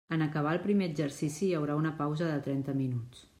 En acabar el primer exercici hi haurà una pausa de trenta minuts.